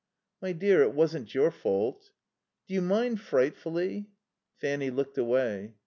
"My dear, it wasn't your fault." "Do you mind frightfully?" Fanny looked away.